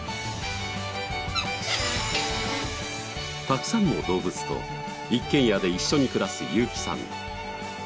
たくさんの動物と一軒家で一緒に暮らすユーキさん。